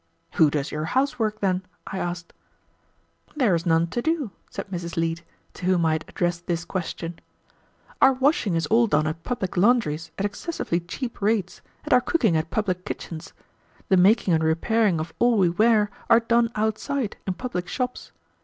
"Who does your house work, then?" I asked. "There is none to do," said Mrs. Leete, to whom I had addressed this question. "Our washing is all done at public laundries at excessively cheap rates, and our cooking at public kitchens. The making and repairing of all we wear are done outside in public shops.